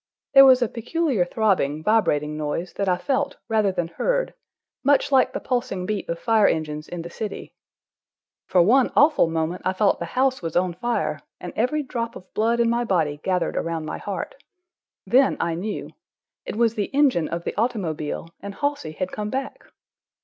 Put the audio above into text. There was a peculiar throbbing, vibrating noise that I felt rather than heard, much like the pulsing beat of fire engines in the city. For one awful moment I thought the house was on fire, and every drop of blood in my body gathered around my heart; then I knew. It was the engine of the automobile, and Halsey had come back.